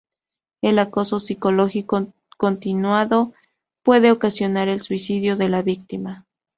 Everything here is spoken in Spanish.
El acoso psicológico continuado puede ocasionar el suicidio de la víctima.